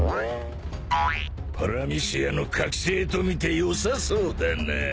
パラミシアの覚醒とみてよさそうだな。